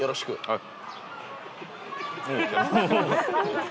はい。